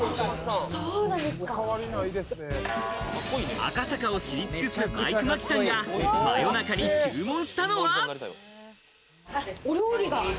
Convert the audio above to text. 赤坂を知り尽くすマイク眞木さんが真夜中に注文したのは。